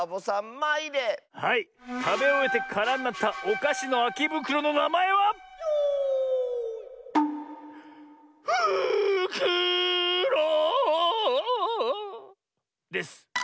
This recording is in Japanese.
たべおえてからになったおかしのあきぶくろのなまえは「ふくろ」です。